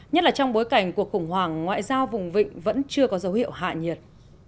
nhất là trong bối cảnh cuộc khủng hoảng ngoại giao vùng vịnh vẫn chưa có dấu hiệu hạ nhiệt